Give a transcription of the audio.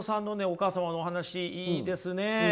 お母様のお話いいですね！